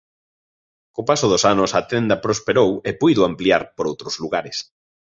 Co paso dos anos a tenda prosperou e puido ampliar por outros lugares.